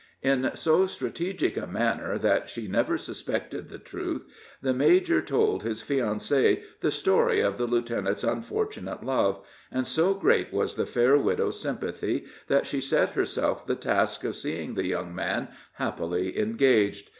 In so strategic a manner that she never suspected the truth, the major told his fiancee the story of the lieutenant's unfortunate love, and so great was the fair widow's sympathy, that she set herself the task of seeing the young man happily engaged.